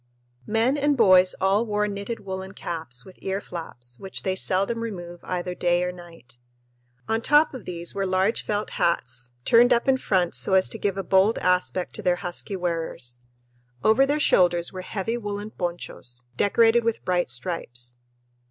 Men and boys all wore knitted woolen caps, with ear flaps, which they seldom remove either day or night. On top of these were large felt hats, turned up in front so as to give a bold aspect to their husky wearers. Over their shoulders were heavy woolen ponchos, decorated with bright stripes.